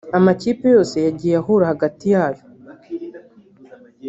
amakipe yose yagiye ahura hagati yayo